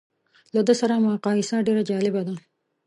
له ده سره مقایسه ډېره جالبه ده.